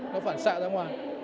nó phản xạ ra ngoài